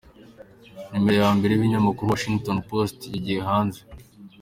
Numero ya mbere y’ikinyamakuru Washington Post yagiye hanze.